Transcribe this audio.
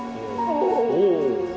お。